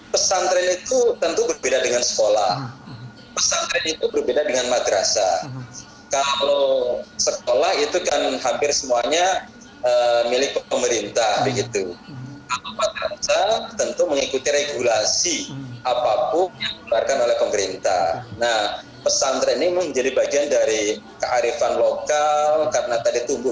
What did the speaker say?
karena tadi tumbuh berkembang di masyarakat